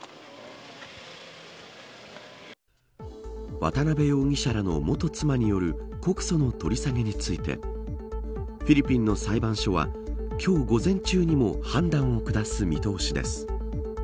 渡辺容疑者らの元妻による告訴の取り下げについてフィリピンの裁判所は今日、午前中にも判断を下す見通しです。